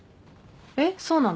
えっそうなの？